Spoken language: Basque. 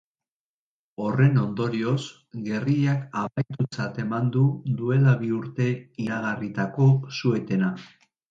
Horren ondorioz, gerrillak amaitutzat eman du duela bi urte iragarritako su-etena.